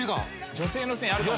女性の線あるかも。